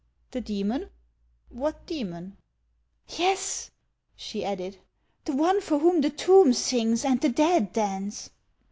" The demon ! What demon ?" "Yes," she added; "the one for whom the tomb sings and the dead dance."